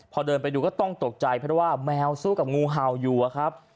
พอเดินไปดูก็ต้องตกใจเพราะว่าแมวสู้กับงูเห่าอยู่อะครับ